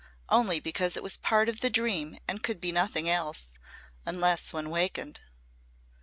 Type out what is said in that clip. Only because it was part of the dream and could be nothing else unless one wakened.